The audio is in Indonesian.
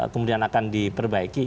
kemudian akan diperbaiki